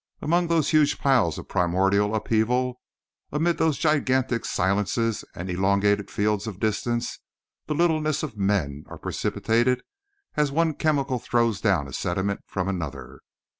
Among those huge piles of primordial upheaval, amid those gigantic silences and elongated fields of distance the littlenesses of men are precipitated as one chemical throws down a sediment from another.